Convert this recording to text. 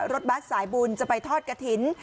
รถบัตรสายบุญจะไปทอดกะทิน